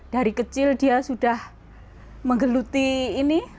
dari kecil dia sudah menggeluti ini